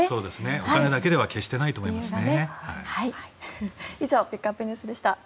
お金だけでは決してないと思いますね。